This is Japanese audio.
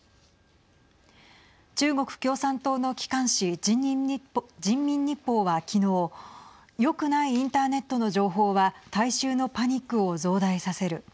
中国共産党の機関紙、人民日報は昨日、よくないインターネットの情報は大衆のパニックを増大させる。